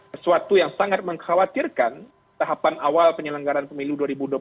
sesuatu yang sangat mengkhawatirkan tahapan awal penyelenggaran pemilu dua ribu dua puluh